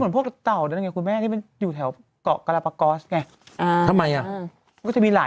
พวกนี้แบบเป็นปล่อยเต่าลงแม่น้ำไม่ได้นะ